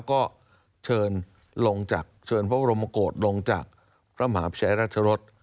ก็เชิญลงจากเชิญพระบรมโกรธลงจากพระมหาพิชัยราชรส